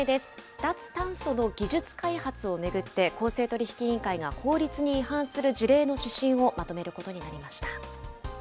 脱炭素の技術開発を巡って、公正取引委員会が法律に違反する事例の指針をまとめることになりました。